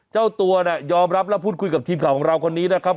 เจ้าตัวเนี่ยยอมรับและพูดคุยกับทีมข่าวของเราคนนี้นะครับ